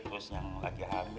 terus yang lagi amil